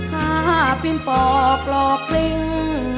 ข้าพิมพ์ปอกหลอกลิ้ง